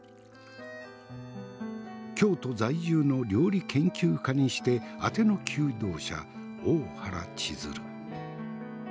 京都在住の料理研究家にしてあての求道者大原千鶴。